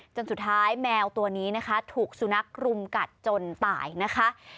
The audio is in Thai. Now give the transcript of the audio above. จนสุดท้ายแมวตัวนี้นะคะถูกสุนัขรุมกัดจนตายนะคะ